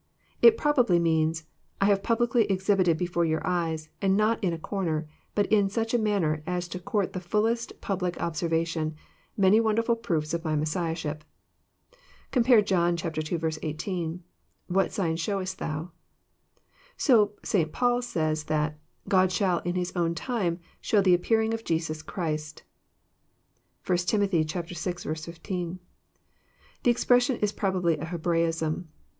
It probably means, I have publicly exhibited before your eyes, and not in a cor ner, but in such a manner as to court the fullest public obser vation, many wonderful proofe of my Messiahship." (Compare John ii. 18: " What sign shewest Thou? ") So St. Paul says that " God shall in His own time shew the appearing of Jesus Christ." (1 Tim. vi. 15.) The expression is probably a Hebra ism.